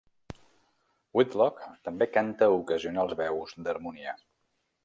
Whitlock també canta ocasionals veus d'harmonia.